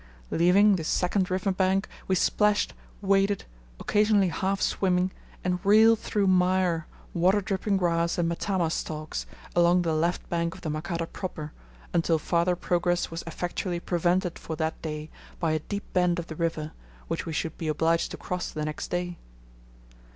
Leaving this second river bank, we splashed, waded, occasionally half swimming, and reeled through mire, water dripping grass and matama stalks, along the left bank of the Makata proper, until farther progress was effectually prevented for that day by a deep bend of the river, which we should be obliged to cross the next day.